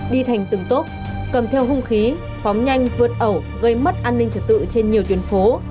đi thành từng tốp cầm theo hung khí phóng nhanh vượt ẩu gây mất an ninh trật tự trên nhiều tuyến phố